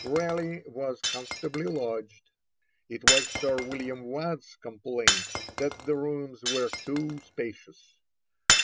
Raleigh was comfortably lodged; it was Sir William Waad's complaint that the rooms were too spacious.